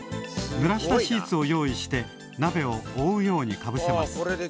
ぬらしたシーツを用意してなべをおおうようにかぶせます。